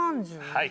はい。